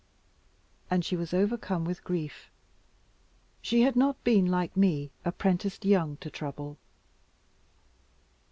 And she was overcome with grief. She had not been, like me, apprenticed young to trouble.